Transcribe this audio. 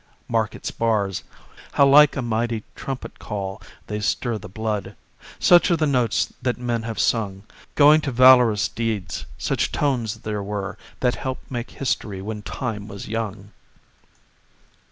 Mark its bars How like a mighty trumpet call they stir The blood. Such are the notes that men have sung Going to valorous deeds; such tones there were That helped make history when Time was young.